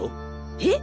えっ！？